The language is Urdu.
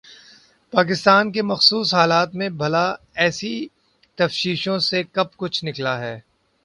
پاکستان کے مخصوص حالات میں بھلا ایسی تفتیشوں سے کب کچھ نکلتا ہے؟